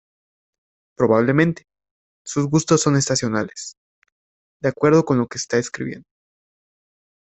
Probablemente, sus gustos son estacionales, de acuerdo con lo que está escribiendo.